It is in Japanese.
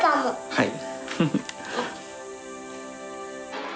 はい。